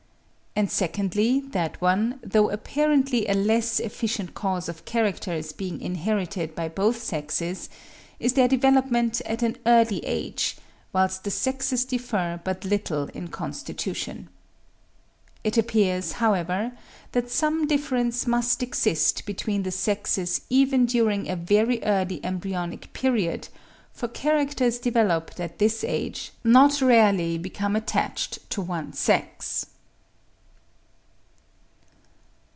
And secondly, that one, though apparently a less efficient cause of characters being inherited by both sexes, is their development at an early age, whilst the sexes differ but little in constitution. It appears, however, that some difference must exist between the sexes even during a very early embryonic period, for characters developed at this age not rarely become attached to one sex.